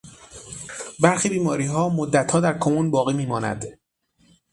برخی بیماریها مدتها در کمون باقی میماند.